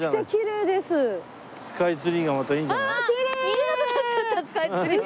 見えなくなっちゃったスカイツリー。